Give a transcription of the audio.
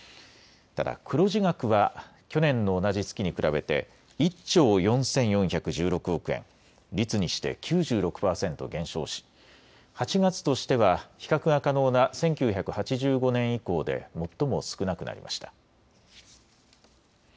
ただ黒字額は去年の同じ月に比べて１兆４４１６億円、率にして９６％減少し８月としては比較が可能な１９８５年以降で最も少なくなりました。